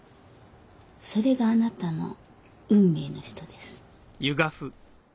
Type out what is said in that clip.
それがあなたの運命の人です。